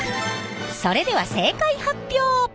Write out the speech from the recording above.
それでは正解発表！